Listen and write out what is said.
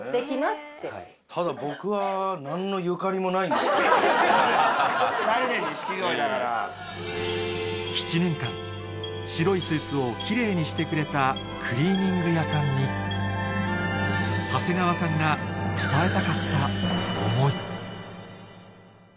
２人で錦鯉だから。にしてくれたクリーニング屋さんに長谷川さんが伝えたかった思い